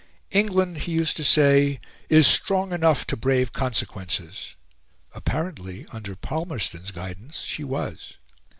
"England," he used to say, "is strong enough to brave consequences." Apparently, under Palmerston's guidance, she was.